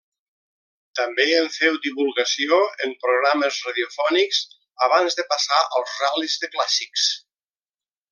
També en féu divulgació en programes radiofònics abans de passar als ral·lis de clàssics.